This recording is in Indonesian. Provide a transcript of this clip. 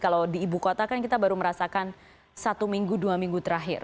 kalau di ibu kota kan kita baru merasakan satu minggu dua minggu terakhir